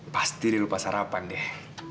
pasti dia lupa sarapan deh